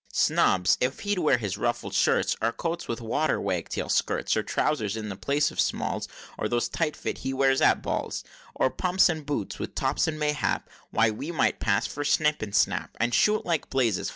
"Snobs! if he'd wear his ruffled shirts, Or coats with water wagtail skirts, Or trowsers in the place of smalls, Or those tight fits he wears at balls, Or pumps, and boots with tops, mayhap, Why we might pass for Snip and Snap, And shoot like blazes!